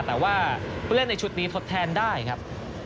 แต่ว่าผู้เล่นในชุดนี้ทดแทนได้ครับ